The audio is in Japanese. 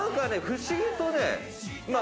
不思議とね。